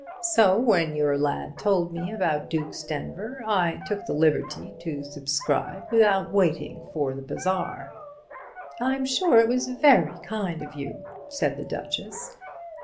So when your lad told me about Duke's Denver I took the liberty to subscribe without waiting for the Bazaar." "I'm sure it was very kind of you," said the Duchess.